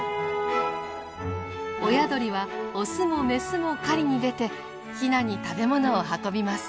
親鳥はオスもメスも狩りに出てヒナに食べ物を運びます。